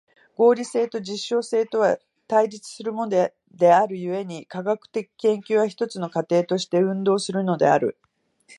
合理性と実証性とは対立するものである故に、科学的研究は一つの過程として運動するのである。